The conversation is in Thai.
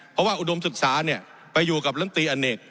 เพราะว่าอุดมศึกษาไปอยู่กับลำตีอเนก